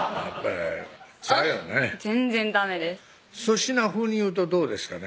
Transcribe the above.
粗品風に言うとどうですかね